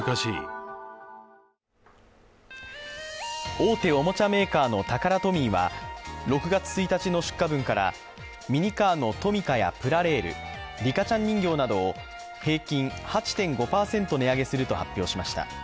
大手おもちゃメーカーのタカラトミーは６月１日の出荷分からミニカーのトミカやプラレールリカちゃん人形などを平均８．５％値上げすると発表しました。